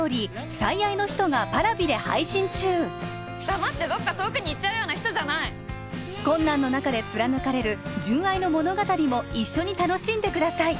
「最愛のひと」がパラビで配信中黙ってどっか遠くに行っちゃうような人じゃない困難の中で貫かれる純愛の物語も一緒に楽しんでください